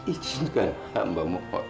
istri amba mu